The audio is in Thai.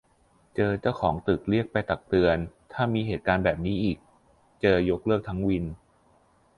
เจอเจ้าของตึกเรียกไปตักเตือน ถ้ามีเหตุการณ์แบบนี้อีกเจอยกเลิกทั้งวิน